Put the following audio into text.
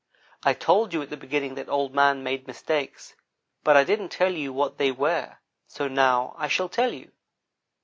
I told you at the beginning that Old man made mistakes, but I didn't tell you what they were, so now I shall tell you.